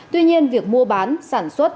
tuy nhiên việc mua bán sản xuất